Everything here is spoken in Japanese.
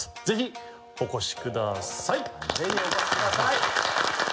ぜひお越しください！